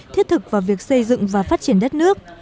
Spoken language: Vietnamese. thiết thực vào việc xây dựng và phát triển đất nước